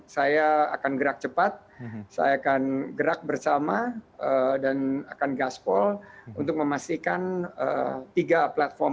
saya akan gerak cepat saya akan gerak bersama dan akan gaspol untuk memastikan tiga platform